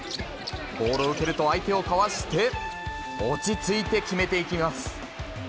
ボールを受けると、相手をかわして落ち着いて決めていきます。